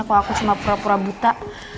kalau aku cuma pura pura buta